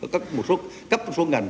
cấp một số ngành